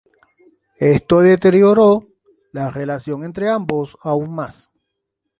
Esto deterioró la relación entre ambos aún más.